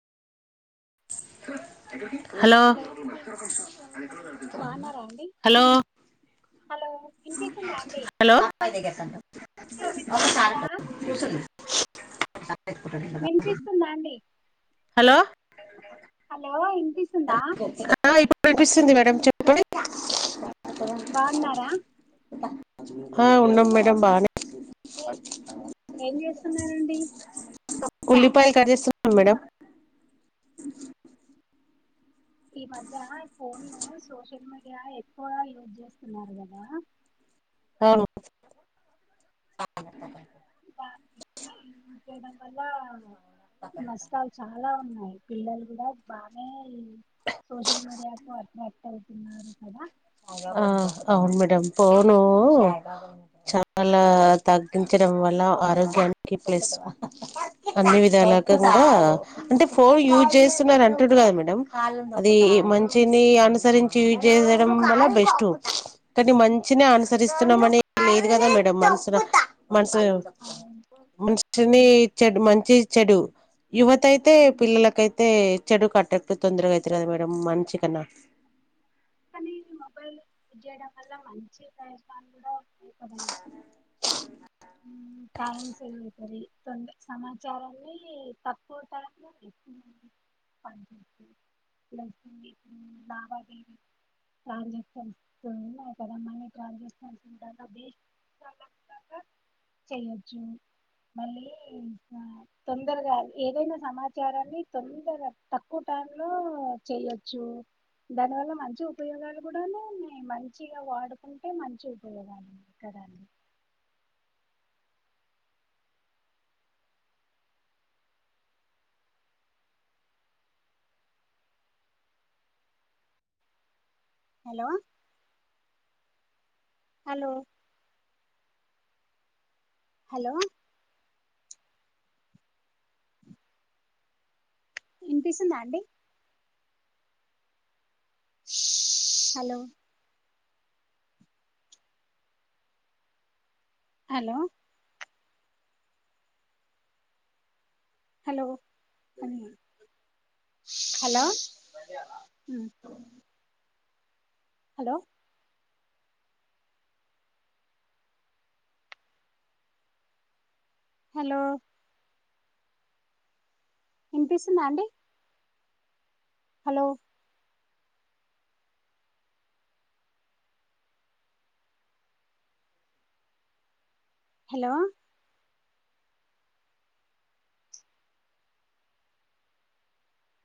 [inaudible] Hello బాగున్నారా అండి hello hello వినిపిస్తుందా అండి హలో ఆ వినపడుతుందా వినిపిస్తుందా అండి. హలో హలో ఇ ఆ ఇప్పుడు వినిపిస్తుంది మేడం చెప్పండి. ఎక్కడ బాగున్నారా ట ఆ ఉన్నాం మేడం బానే ఏం చేస్తున్నారండి? ఉల్లిపాయలు కట్ చేస్తున్నాం మేడం ఈ మధ్య ఫోను సోషల్ మీడియా ఇగా ఎక్కువ యూజ్ చేస్తున్నారు కదా. అవును వళ నష్టాలు చాలా ఉన్నాయి పిల్లలు కూడా బానే సోషల్ మీడియా కు అట్రాక్ట్ అయితున్నారు కదా. ఆ, అవును మేడమ్ ఫోను చాలా తగ్గించడం వల్ల ఆరోగ్యానికి ప్లస్ అన్ని విధాలు అలాకుండా అంటే ఫోన్ యూజ్ చేస్తున్నారుా అంటుండు కదా మేడం. అది అవును మంచిని అనుసరించి యూజ్ చేయడం వల్ల బెస్ట్ కానీ ఆ, మంచినే అనుసరిస్తున్నాం అనే లేదు కదా మేడం మనసున మన సు అవును మంచిని అవును చెడు మంచి చెడు యువత అయితే పిల్లలకైతే చెడుకు అట్రాక్ ట్ తొందరగా అయితరు కదా మేడం మంచి కన్నా కానీ మొబైల్ యూస్ చేయడం వల్ల మంచి ప్రయత్నాలు కూడా ఉన్నాయి కదండి. ఉమ్ టైమ్ సేవ్ అయితది కొని సమాచారాన్ని తక్కువ టైమ్ లావాదేవి కారు తెస్తం [unintelligible] రమ్మని కాల్ చేస్తం చూడండి అబ్బి చేయోచ్చు మళ్ళీ తొందరగా ఏదైనా సమాచారాన్ని తొందరగా తక్కువ టైమ్ టైం లో చేయొచ్చు దాని వల్ల మంచి ఉప ఉపయోగాలు కూడాను ఉన్నయి మంచిగా వాడుకుంటే మంచి ఉపయోగాలు కదాండి. హలో హలో హలో ఇనిపిస్తుందా అండి హలో హలో హలో హలో ఉ హలో హలో ఇనిపిస్తుందా అండి హలో హలో